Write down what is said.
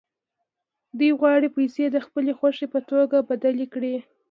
دوی غواړي پیسې د خپلې خوښې په توکو بدلې کړي